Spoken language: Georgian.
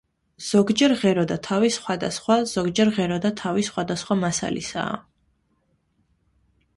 ზოგჯერ ღერო და თავი სხვადასხვა ზოგჯერ ღერო და თავი სხვადასხვა მასალისაა.